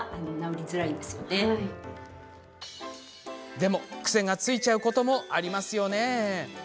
でも、癖がついちゃうこともありますよね。